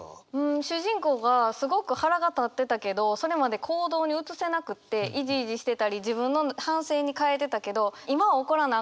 主人公がすごく腹が立ってたけどそれまで行動に移せなくっていじいじしてたり自分の反省に変えてたけど今は怒らなあ